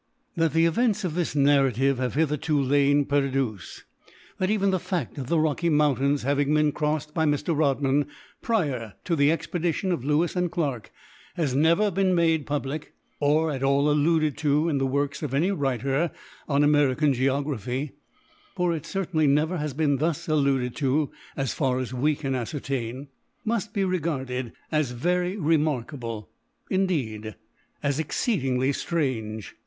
That the events of this narrative have hitherto lain perdus; that even the fact of the Rocky Mountains having been crossed by Mr. Rodman prior to the expedition of Lewis and Clarke, has never been made public, or at all alluded to in the works of any writer on American geography, (for it certainly never has been thus alluded to, as far as we can ascertain,) must be regarded as very remarkable — indeed, as exceedingly strange.